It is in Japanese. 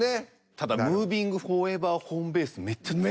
ただムービングフォーエバーホームベースってめっちゃ強い。